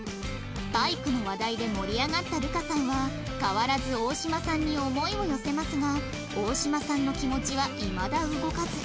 バイクの話題で盛り上がった流佳さんは変わらず大島さんに思いを寄せますが大島さんの気持ちはいまだ動かず